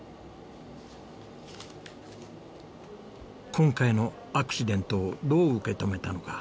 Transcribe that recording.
今回のアクシデントをどう受け止めたのか？